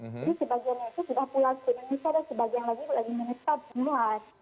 jadi sebagiannya itu sudah pulang ke indonesia dan sebagian lagi lagi menetap keluar